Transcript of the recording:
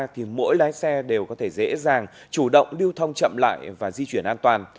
thì mỗi lái xe đều có thể dễ dàng chủ động lưu thông chậm lại và di chuyển an toàn